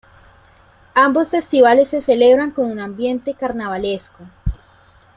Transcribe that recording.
Ambos festivales se celebran con un ambiente carnavalesco.